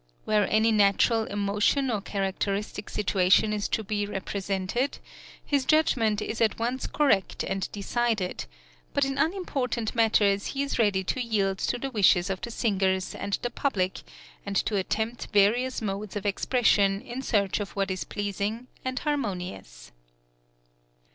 Where any natural emotion or characteristic situation is to be represented, his judgment is at once correct and decided; but in unimportant matters he is ready to yield to the wishes of the singers and the public, and to attempt various modes of expression in search of what is pleasing and harmonious.